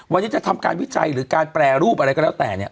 วันนี้จะทำการวิจัยหรือการแปรรูปอะไรก็แล้วแต่เนี่ย